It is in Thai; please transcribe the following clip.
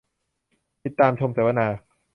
ติดตามชมเสวนา